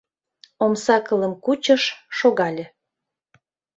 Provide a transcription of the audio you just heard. Омса кылым кучыш, шогале.